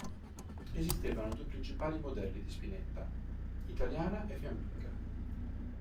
Esistevano due principali modelli di spinetta: italiana e fiamminga.